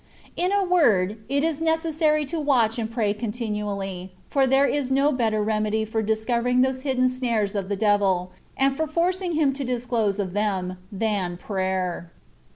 In a word, it is itecessary to watch and pray continually, for there is no better remedy for discovering those hidden snares of the devil, and for forcing him to a disclosure of them, than prayer.